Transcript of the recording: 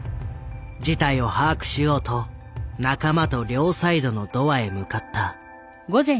事態を把握しようと仲間と両サイドのドアへ向かった。